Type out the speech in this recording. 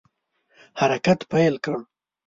حرکت پیل کړ.